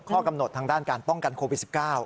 ข้อกำหนดทางด้านการป้องกันโควิด๑๙